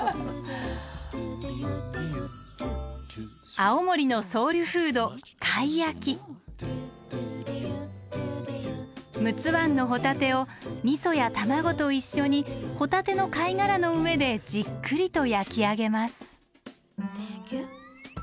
青森のソウルフード陸奥湾のホタテをみそや卵と一緒にホタテの貝殻の上でじっくりと焼き上げます。